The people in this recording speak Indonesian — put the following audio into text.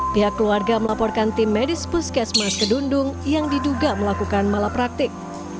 pihak keluarga melaporkan tim medis puskesmas kedundung yang diduga melakukan malapraktik